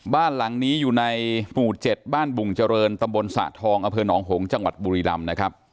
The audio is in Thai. บ้านหลังนี้อยู่ในหมู่๗บ้านบุงเจริญตำบลสะทองอำเภอหนองหงษ์จังหวัดบุรีรำนะครับ